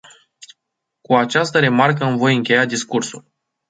Cu această remarcă îmi voi încheia discursul.